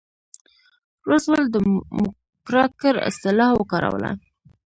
روزولټ د موکراکر اصطلاح وکاروله.